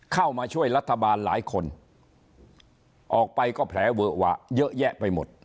เข้ามาช่วยรัฐบาลหลายคนออกไปก็แผลเวอะหวะเยอะแยะไปหมด